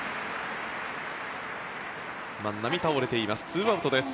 万波倒れています。